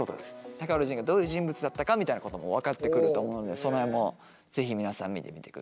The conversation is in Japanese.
高浦仁がどういう人物だったかみたいなことも分かってくると思うのでその辺も是非皆さん見てみてください。